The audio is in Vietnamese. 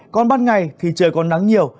còn ban ngày thì trời còn nắng nhiều